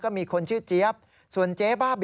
ฮ่าฮ่าฮ่าฮ่า